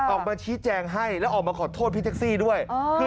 ออกมาชี้แจงให้แล้วออกมาขอโทษพี่แท็กซี่ด้วย